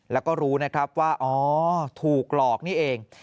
แล้วก็รู้นะครับว่าอ๋อถูกหลอกนี่เอง